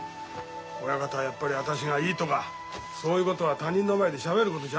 親方はやっぱり私がいいとかそういうことは他人の前でしゃべることじゃないんだ。